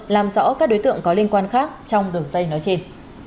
làm rõ các đối tượng có liên quan khác trong đường dây nói trên